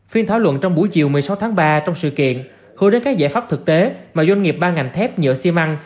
phiên thảo luận trong buổi chiều một mươi sáu tháng ba trong sự kiện hướng đến các giải pháp thực tế mà doanh nghiệp ba ngành thép nhựa xi măng